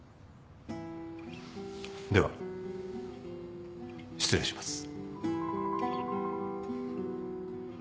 では失礼します。